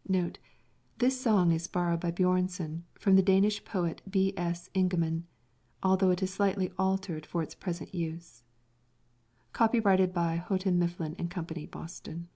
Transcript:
_] [Footnote 1: This song is borrowed by Björnson from the Danish poet B.S. Ingemann, although it is slightly altered for its present use.] Copyrighted by Houghton, Mifflin and Company, Boston.